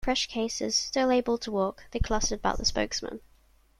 Fresh cases, still able to walk, they clustered about the spokesman.